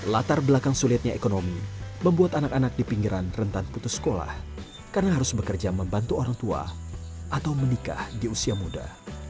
latar belakang sulitnya ekonomi membuat anak anak di pinggiran rentan putus sekolah karena harus bekerja membantu orang tua atau menikah di usia muda